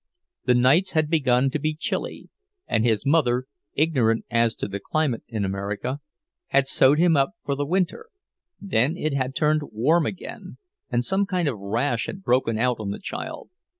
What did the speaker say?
The nights had begun to be chilly, and his mother, ignorant as to the climate in America, had sewed him up for the winter; then it had turned warm again, and some kind of a rash had broken out on the child.